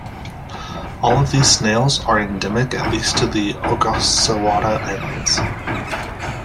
All of these snails are endemic at least to the Ogasawara Islands.